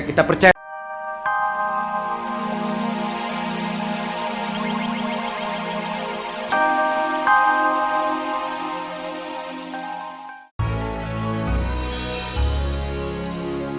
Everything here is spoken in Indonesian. aku gak percaya lagi sama khabar mereka